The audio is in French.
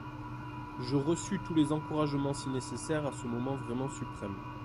Je reçus tous les encouragements si nécessaires à ce moment vraiment suprême.